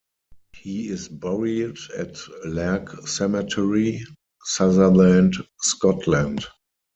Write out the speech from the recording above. He is buried at Lairg Cemetery, Sutherland, Scotland.